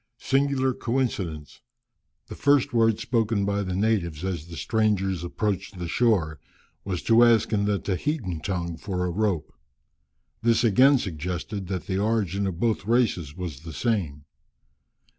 Singular coincidence! The first word spoken by the natives as the strangers approached the shore, was to ask in the Tahitan tongue for a rope. This again suggested that the origin of both races was the same.